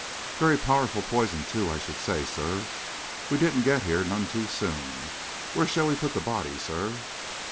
"Very powerful poison, too, I should say, sir; we didn't get here none too soon. Where shall we put the body, sir?"